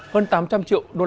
hơn tám trăm linh triệu usd